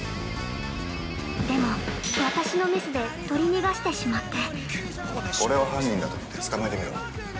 でも、私のミスで取り逃がしてしまって◆おれを犯人だと思って捕まえてみろ。